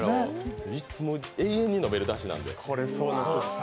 永遠に飲めるだしなんで。